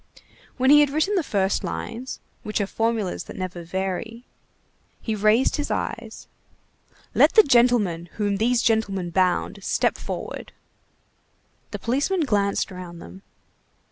When he had written the first lines, which are formulas that never vary, he raised his eyes:— "Let the gentleman whom these gentlemen bound step forward." The policemen glanced round them.